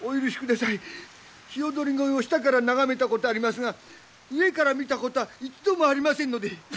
鵯越を下から眺めたことはありますが上から見たことは一度もありませんので。